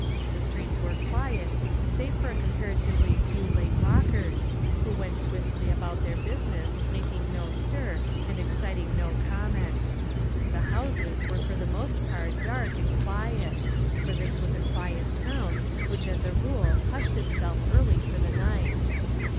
The streets were quiet, save for a comparatively few late walkers, who went swiftly about their business, mak ing no stir and exciting no comment. The houses were for the most part dark and quiet, for this was a quiet town, which as a rule, hushed itself early for the night.